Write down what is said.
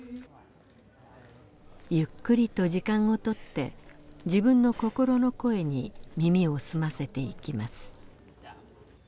ゆっくりと時間をとって自分の心の声に耳を澄ませていきます。